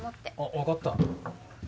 分かった。